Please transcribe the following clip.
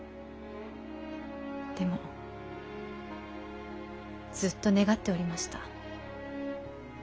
でもずっと願っておりました。